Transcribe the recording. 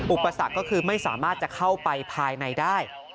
อุปสรรคก็คือไม่สามารถจะเข้าไปภายในได้